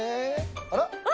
あら？